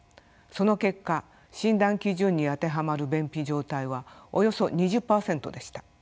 その結果診断基準に当てはまる便秘状態はおよそ２０％でした。